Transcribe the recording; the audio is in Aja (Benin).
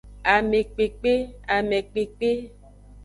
Amekpekpe, amekpekpe.